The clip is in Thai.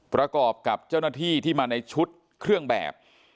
ประกอบกับเจ้าหน้าที่ที่มาในชุดเครื่องแบบ